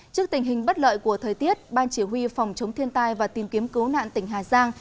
trước tình hình bất lợi của thời tiết ban chỉ huy phòng chống thiên tai và tìm kiếm cứu nạn tỉnh hà giang